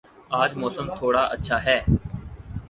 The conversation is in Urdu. آج موسم تھوڑا اچھا ہے